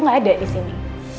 nggak ada di sini